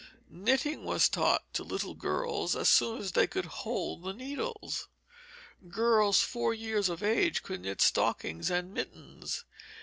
Knitting was taught to little girls as soon as they could hold the needles. Girls four years of age could knit stockings and mittens.